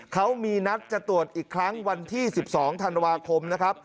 เขามีนัดจะตรวจอีกครั้งวันที่๑๒ธันวาคมนะครับ